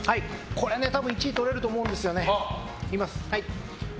多分、１位とれると思うんですよね。